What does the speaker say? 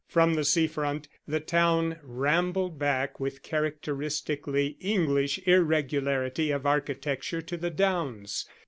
From the sea front the town rambled back with characteristically English irregularity of architecture to the downs.